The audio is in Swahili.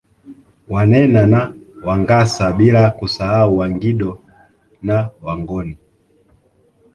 Wanena na Wangasa bila kusahau Wangindo na Wangoni